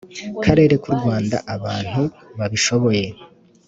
karere k u Rwanda abantu babishoboye